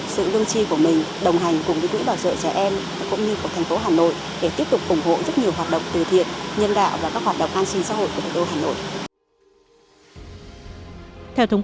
sự ưu chi của mình đồng hành cùng quỹ bào trợ trẻ em cũng như của thành phố hà nội